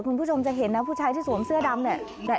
คุณผู้ชมจะเห็นนะผู้ชายที่สวมเสื้อดำเนี่ย